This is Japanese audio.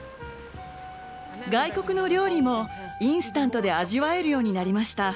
外国の料理もインスタントで味わえるようになりました。